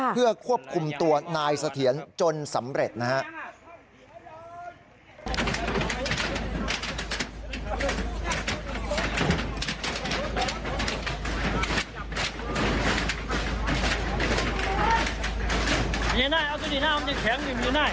เพื่อควบคุมตัวนายเสถียรจนสำเร็จนะครับ